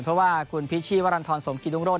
เพราะว่าคุณพิชชิวารันทรสมกิตุงรถ